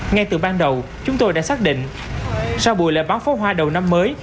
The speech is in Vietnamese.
ngay từ ban đầu chúng tôi đã xác định sau buổi lệ bắn pháo hoa đầu năm mới